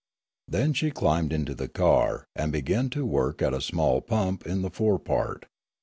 Then she climbed into the car, and began to work at a small pump in the fore part.